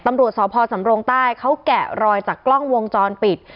ตำรวจสพสำรงใต้เขาแกะรอยจากกล้องวงจรปิด